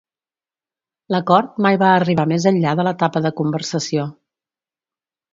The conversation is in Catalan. L'acord mai va arribar més enllà de l'etapa de conversació.